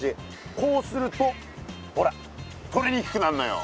こうするとほらとれにくくなんのよ。